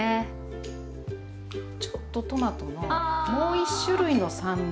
ちょっとトマトのもう１種類の酸味。